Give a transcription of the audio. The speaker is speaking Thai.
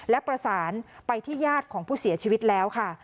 และประสานไปที่ญาติของผู้เสียชีวิตแล้วค่ะ